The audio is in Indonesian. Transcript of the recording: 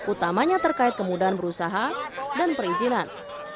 utamanya terkait kemudahan berusaha dan perizinan